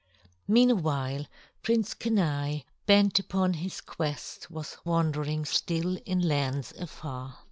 III Meanwhile Prince Kenai, bent upon his quest, was wandering still in lands afar.